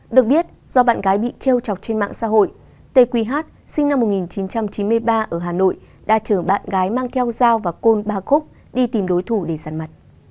được biết do bạn gái bị treo chọc trên mạng xã hội tê quỳ hát sinh năm một nghìn chín trăm chín mươi ba ở hà nội đã chờ bạn gái mang theo dao và côn ba khúc đi tìm đối thủ để giặt mặt